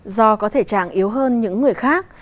do có thể trạng yếu hơn những người khác